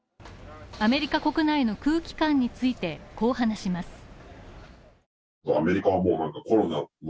アメリカ国内の空気感について、こう話します。